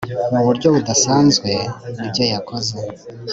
muburyo budasanzwe nibyo yakoze